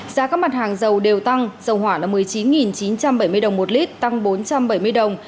giá các mặt hàng dầu đều tăng dầu hỏa là một mươi chín chín trăm bảy mươi đồng một lít tăng bốn trăm bảy mươi đồng